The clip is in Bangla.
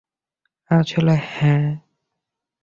আসলে, হ্যাঁ।